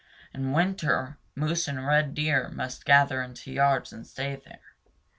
In winter, moose and red deer must gather into yards and stay there.